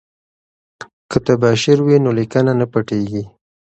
که تباشیر وي نو لیکنه نه پټیږي.